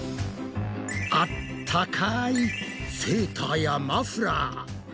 あったかいセーターやマフラー。